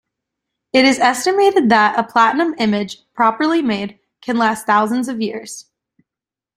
It is estimated that a platinum image, properly made, can last thousands of years.